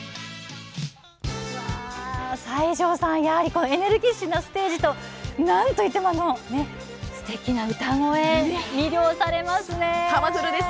西城さん、やはりエネルギッシュなステージと何といってもすてきな歌声楽しみですね。